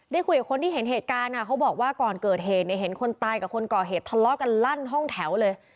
คุยกับคนที่เห็นเหตุการณ์เขาบอกว่าก่อนเกิดเหตุเนี่ยเห็นคนตายกับคนก่อเหตุทะเลาะกันลั่นห้องแถวเลย